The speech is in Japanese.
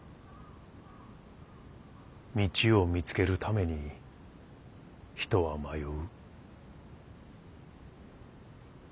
道を見つけるために人は迷う。